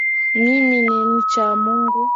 Mimi ni mcha Mungu